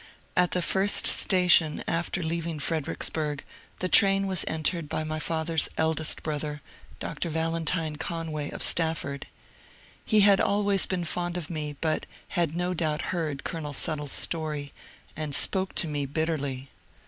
At the first station after leaving Fredericksburg the train was entered by my father's eldest brother. Dr. Valentine Conway of Stafford. He had always been fond of me, but had no doubt heard Colonel Suttle's story, and spoke to me bitterly.